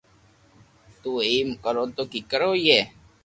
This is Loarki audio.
تو ايم ڪرو تو ڪيڪر ھوئي